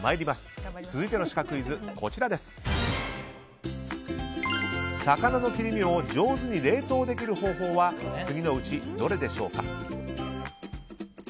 続いてのシカクイズ魚の切り身を上手に冷凍できる方法は次のうちどれでしょうか。